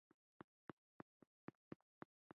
هغوی هېڅ د دې جوګه نه شول چې له نوښتونو ګټه پورته کړي.